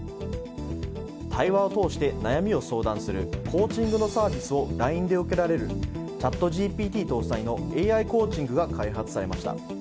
対話を通して悩みを相談するコーチングのサービスをＬＩＮＥで受けられるＣｈａｔＧＰＴ搭載のＡＩコーチングが開発されました。